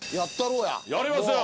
やりますよ！